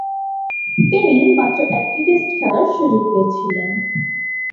তিনি মাত্র একটি টেস্ট খেলার সুযোগ পেয়েছিলেন।